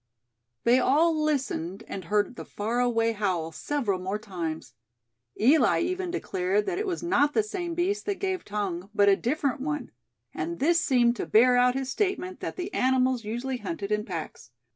They all listened, and heard the far away howl several more times. Eli even declared that it was not the same beast that gave tongue, but a different one; and this seemed to bear out his statement that the animals usually hunted in packs.